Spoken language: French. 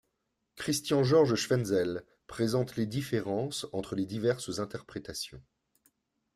Christian-Georges Schwentzel présente les différences entre les diverses interprétations.